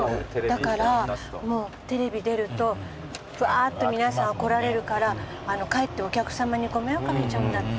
だからテレビ出るとわーっと皆さん来られるからかえってお客さまにご迷惑かけちゃうんだって。